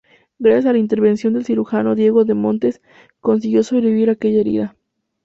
Gracias a la intervención del cirujano Diego de Montes, consiguió sobrevivir a aquella herida.